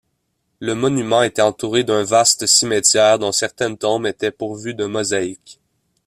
Le monument était entouré d'un vaste cimetière dont certaines tombes étaient pourvues de mosaïques.